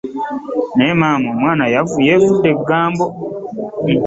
Naye maama, omwana yeevudde eggambo.